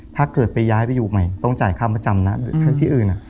ถ้าเกิดไปย้ายไปอยู่ใหม่ต้องจ่ายค่าประจำนะที่อื่น